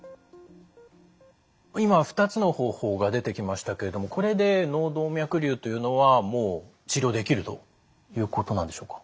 今２つの方法が出てきましたけれどもこれで脳動脈瘤というのはもう治療できるということなんでしょうか？